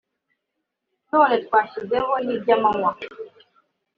none twashyizeho n’iry’amanywa